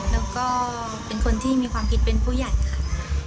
แล้วก็เป็นคนที่มีความคิดเป็นผู้ใหญ่ค่ะ